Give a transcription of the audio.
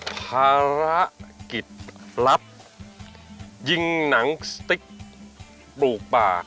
ภารกิจลับยิงหนังสติ๊กปลูกป่า